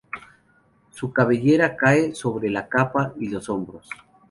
Su cabellera cae sobre la capa y los hombros.